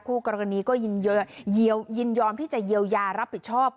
คู่กรณีก็ยินยอมที่จะเยียวยารับผิดชอบ